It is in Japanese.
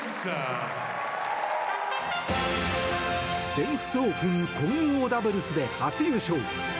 全仏オープン混合ダブルスで初優勝。